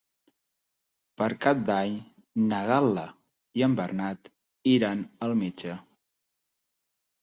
Per Cap d'Any na Gal·la i en Bernat iran al metge.